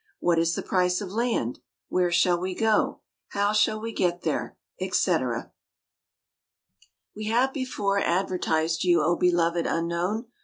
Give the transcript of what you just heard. What is the price of land? Where shall we go? How shall we get there? &c. We have before advertised you, O beloved unknown!